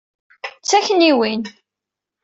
D takniwin.